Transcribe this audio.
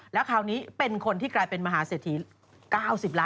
เก็บของนี้เองแค่นี้เองเดี๋ยวเราไปเลย